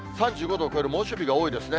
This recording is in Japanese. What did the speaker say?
３５度を超える猛暑日が多いですね。